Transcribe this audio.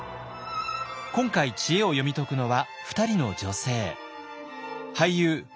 今回知恵を読み解くのは２人の女性。